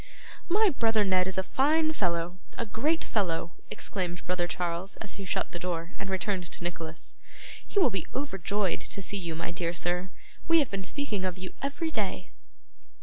'My brother Ned is a fine fellow, a great fellow!' exclaimed brother Charles as he shut the door and returned to Nicholas. 'He will be overjoyed to see you, my dear sir. We have been speaking of you every day.